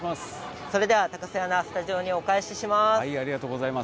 高瀬アナスタジオにお返しします。